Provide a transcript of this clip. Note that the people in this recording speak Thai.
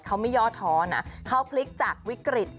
เขาไม่ย่อท้อนะเขาพลิกจากวิกฤต